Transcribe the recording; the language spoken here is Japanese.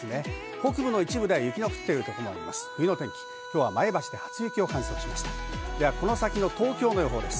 北部の一部では雪の降っているところがあります。